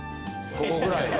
ここぐらいは。